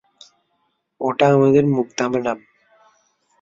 ওটা আমাদের মুগ্ধা ম্যাডাম।